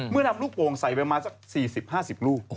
เมื่อนำลูกโปรงใส่ไปมาขึ้นปี๔๐๕๐ลูก